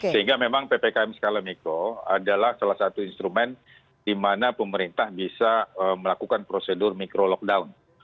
sehingga memang ppkm skala mikro adalah salah satu instrumen di mana pemerintah bisa melakukan prosedur mikro lockdown